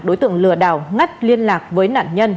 đối tượng lừa đảo ngắt liên lạc với nạn nhân